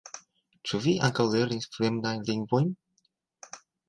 Ĉu vi ankaŭ lernis fremdajn lingvojn?